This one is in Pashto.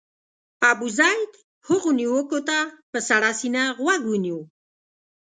ابوزید هغو نیوکو ته په سړه سینه غوږ ونیو.